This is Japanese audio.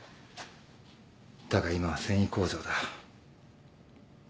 だが今は繊維工場だ。